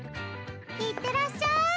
いってらっしゃい。